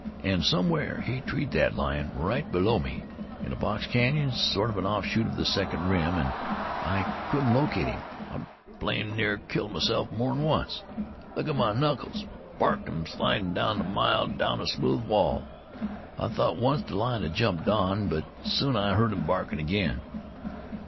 An' somewhere he treed thet lion, right below me, in a box canyon, sort of an offshoot of the second rim, an' I couldn't locate him. I blamed near killed myself more'n once. Look at my knuckles! Barked em slidin' about a mile down a smooth wall. I thought once the lion had jumped Don, but soon I heard him barkin' again.